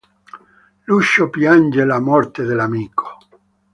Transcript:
Lucio piange la morte dell'amico.